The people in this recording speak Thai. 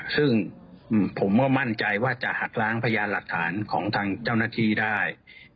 ซึ่งผมก็มั่นใจว่าจะหักล้างพยานหลักฐานของทางเจ้าหน้าที่ได้